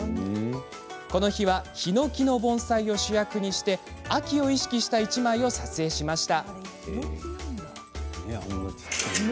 この日はヒノキの盆栽を主役にして秋を意識した１枚を撮影しました。